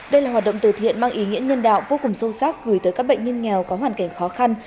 đây là hoạt động từ thiện mang ý nghĩa nhân đạo vô cùng sâu sắc gửi tới các bệnh nhân nghèo có hoàn cảnh khó khăn